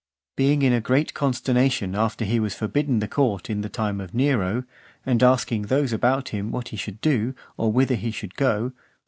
Being in a great consternation after he was forbidden the court in the time of Nero, and asking those about him, what he should do? or, whither he should go?